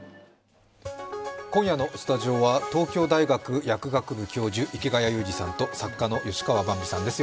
今夜のスタジオは、東京大学薬学部教授、池谷裕二さんと作家の吉川ばんびさんです。